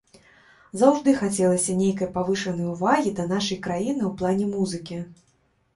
Заўжды хацелася нейкай павышанай увагі да нашай краіны ў плане музыкі.